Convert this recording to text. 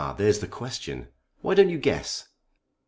there's the question! Why don't you guess?"